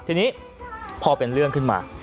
ทีนี้พอเป็นเรื่องขึ้นมา